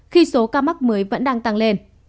khi số ca mắc mới vẫn đang tăng lên